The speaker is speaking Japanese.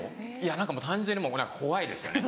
何かもう単純に怖いですよね。